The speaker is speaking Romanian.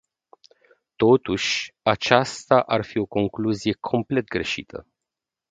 Totuși, aceasta ar fi o concluzie complet greșită.